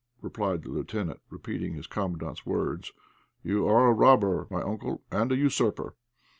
replied the lieutenant, repeating his Commandant's words; "you are a robber, my uncle, and a usurper."